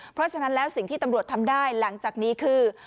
เพราะฉะนั้นแล้วสิ่งที่ตำรวจทำได้หลังจากนี้คือ